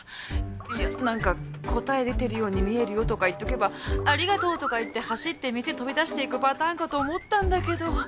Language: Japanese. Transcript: いやなんか答え出てるように見えるよとか言っとけばありがとうとか言って走って店飛び出していくパターンかと思ったんだけど